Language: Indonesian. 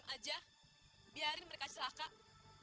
mau jadi kayak gini sih salah buat apa